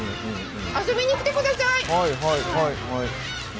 遊びに来てください！